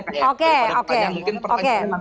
daripada pertanyaan mungkin pertanyaannya